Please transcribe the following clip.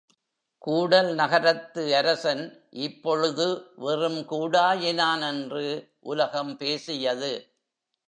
கூடல் நகரத்து அரசன் இப்பொழுது வெறும் கூடாயினான் என்று உலகம் பேசியது.